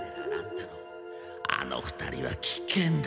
太郎あの２人は危険だ。